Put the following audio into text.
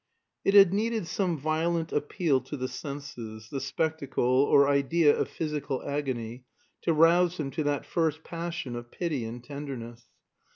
It had needed some violent appeal to the senses, the spectacle or idea of physical agony, to rouse him to that first passion of pity and tenderness.